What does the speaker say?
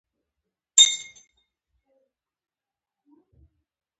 په خونه کې حاضر کسان ټول له خوښۍ ټوپونه وهي.